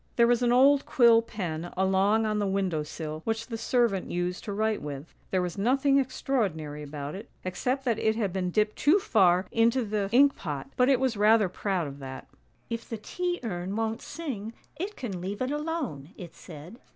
" There was an old quill pen, along on the window sill, which the servant used to write with; there was nothing extraordinary about it, except that it had been dipped too far into the ink 30 ANDERSEN'S FAIRY TALES pot, but it was rather proud of that. ' If the tea urn won't sing, it can leave it alone,' it said.